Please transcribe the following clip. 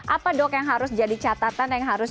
apa dok yang harus jadi catatan yang harus